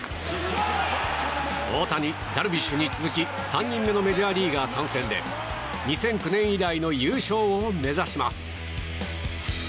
大谷、ダルビッシュに続き３人目のメジャーリーガー参戦で２００９年以来の優勝を目指します。